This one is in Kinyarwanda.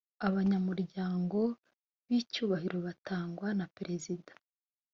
abanyamuryango b’icyubahiro batangwa na perezida